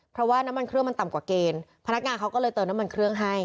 เพราะว่าน้ำมันเครื่องมันต่ำกว่าเกณฑ์พนักงานเขาก็เลยเติมน้ำมันเครื่องให้